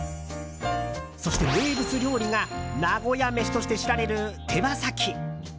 そして名物料理が名古屋めしとして知られる手羽先。